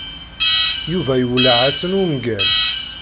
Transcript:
Yuba iwelleh-asen ungal.